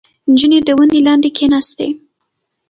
• نجونه د ونې لاندې کښېناستې.